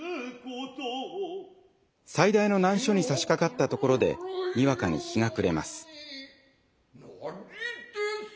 最大の難所にさしかかった所で俄かに日が暮れます。